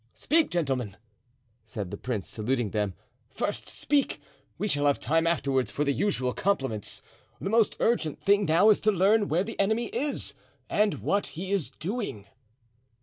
"Speak, gentlemen," said the prince, saluting them; "first speak; we shall have time afterward for the usual compliments. The most urgent thing now is to learn where the enemy is and what he is doing."